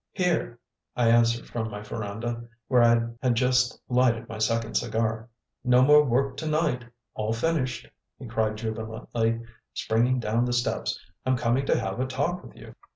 "Here," I answered from my veranda, where I had just lighted my second cigar. "No more work to night. All finished," he cried jubilantly, springing down the steps. "I'm coming to have a talk with you."